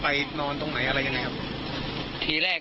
คำให้การในกอล์ฟนี่คือคำให้การในกอล์ฟนี่คือ